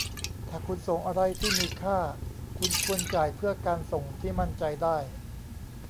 ถ้าคุณส่งอะไรที่มีค่า คุณควรจ่ายเพื่อการส่งที่มั่นใจได้